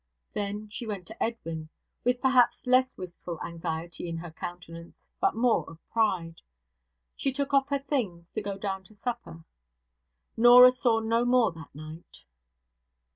Then she went to Edwin, with perhaps less wistful anxiety in her countenance, but more of pride. She took off her things, to go down to supper. Norah saw her no more that night.